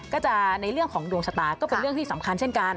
ก็จะในเรื่องของดวงชะตาก็เป็นเรื่องที่สำคัญเช่นกัน